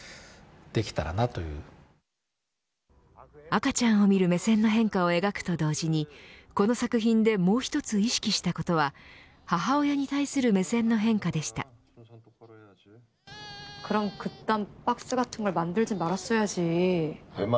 赤ちゃんを見る目線の変化を描くと同時にこの作品でもう一つ意識したことは母親に対する目線の変化でした。